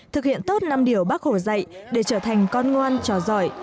thực hiện tốt năm điều bác hồ dạy để trở thành con ngoan trò giỏi